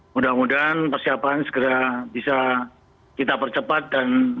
mudah mudahan persiapan segera bisa kita percepat dan